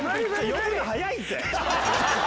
呼ぶの早いって！